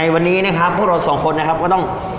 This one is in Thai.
วันนี้นะครับพวกเราสองคนนะครับก็ต้อง